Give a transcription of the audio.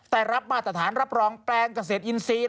ได้รับมาตรฐานรับรองแปลงเกษตรอินทรีย์